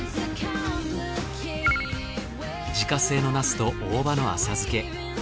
自家製のナスと大葉の浅漬け。